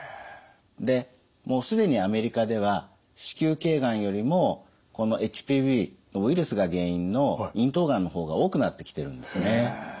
でもう既にアメリカでは子宮頸がんよりもＨＰＶのウイルスが原因の咽頭がんの方が多くなってきてるんですね。